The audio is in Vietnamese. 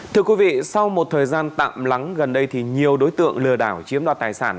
thưa quý vị sau một thời gian tạm lắng gần đây thì nhiều đối tượng lừa đảo chiếm đoạt tài sản